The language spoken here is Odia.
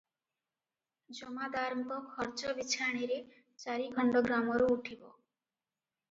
ଜମାଦାରଙ୍କ ଖର୍ଚ୍ଚ ବିଛାଣିରେ ଚାରିଖଣ୍ଡ ଗ୍ରାମରୁ ଉଠିବ ।